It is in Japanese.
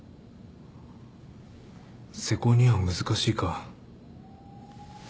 瀬古には難しいか。